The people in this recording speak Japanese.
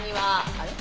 あれ？